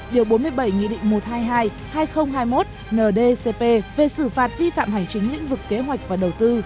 điều bốn mươi bảy nghị định một trăm hai mươi hai hai nghìn hai mươi một ndcp về xử phạt vi phạm hành chính lĩnh vực kế hoạch và đầu tư